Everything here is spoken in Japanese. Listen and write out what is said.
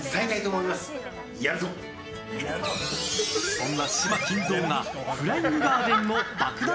そんな嶋均三がフライングガーデンの爆弾